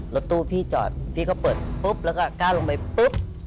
รถตู้พี่จอดพี่ก็เปิดปุ๊บแล้วก็ก้าวลงไปปุ๊บ